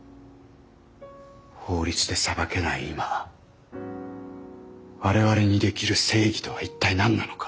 法律で裁けない今我々にできる正義とは一体何なのか。